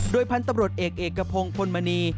โดยพันธุ์ตำรวจเอกกระพงพลมณี